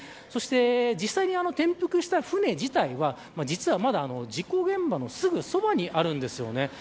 実際に転覆した舟自体は実はまだ事故現場のすぐそばにあるんです。